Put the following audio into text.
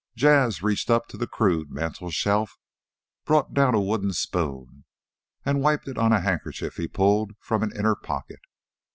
Jas' reached up to the crude mantel shelf, brought down a wooden spoon, and wiped it on a handkerchief he pulled from an inner pocket.